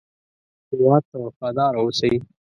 هېواد ته وفاداره اوسئ